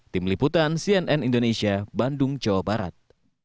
tim liputan cnn indonesia bandung jawa barat